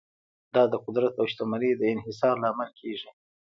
دا د قدرت او شتمنۍ د انحصار لامل کیږي.